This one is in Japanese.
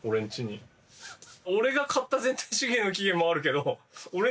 俺が買った「全体主義の起源」もあるけど俺ん